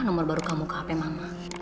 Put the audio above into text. nomor baru kamu ke hp mama